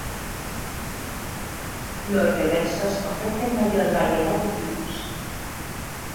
Los reversos ofrecen mayor variedad de tipos.